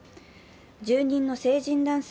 住人の成人男性